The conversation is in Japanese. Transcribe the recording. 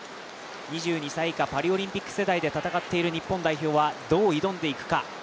２２歳以下、パリオリンピック世代で戦っている日本はどう挑んでいくか。